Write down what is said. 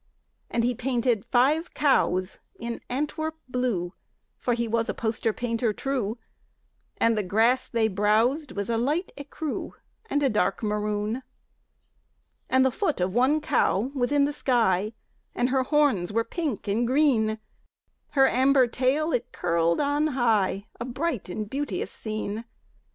And he painted five cows in Antwerp blue (For he was a poster painter true), And the grass they browsed was a light écru And a dark maroon. And the foot of one cow was in the sky, And her horns were pink and green; Her amber tail it curled on high A bright and beauteous scene.